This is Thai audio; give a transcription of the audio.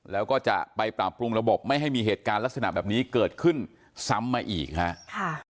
แล้วก็จะไปปรับปรุงระบบไม่ให้มีเหตุการณ์ลักษณะแบบนี้เกิดขึ้นซ้ำมาอีกฮะ